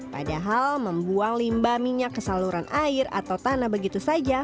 padahal membuang limba minyak ke saluran air atau tanah begitu saja